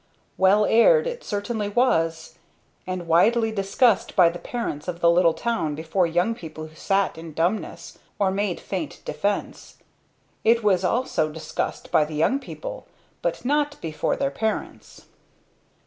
Well aired it certainly was, and widely discussed by the parents of the little town before young people who sat in dumbness, or made faint defense. It was also discussed by the young people, but not before their parents.